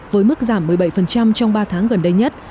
với mức giảm một mươi bảy trong ba tháng gần đây nhất